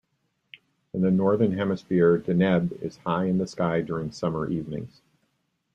In the northern hemisphere Deneb is high in the sky during summer evenings.